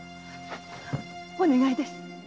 〔お願いです。